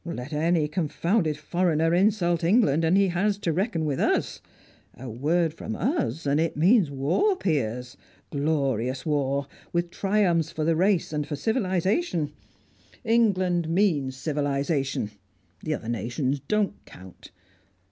Let any confounded foreigner insult England, and he has to reckon with us. A word from us, and it means war, Piers, glorious war, with triumphs for the race and for civilisation! England means civilisation; the other nations don't count."